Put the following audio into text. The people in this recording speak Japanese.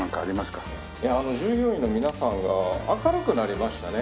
従業員の皆さんが明るくなりましたね